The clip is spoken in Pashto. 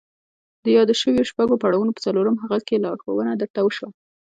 د يادو شويو شپږو پړاوونو په څلورم هغه کې لارښوونه درته وشوه.